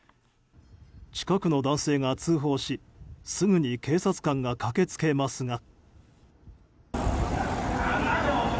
近くの男性が通報しすぐに警察官駆け付けますが。